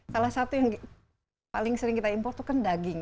salah satu yang paling sering kita impor tuh kan daging